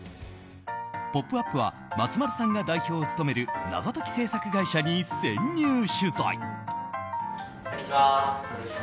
「ポップＵＰ！」は松丸さんが代表を務める謎解き制作会社に潜入取材。